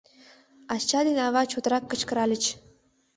ача ден ава чотрак кычкыральыч.